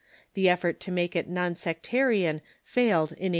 The effort to make it non sectarian failed in 18S9.